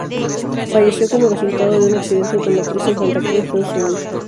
Falleció como resultado de un accidente automotriz en Santa Cruz do Sul.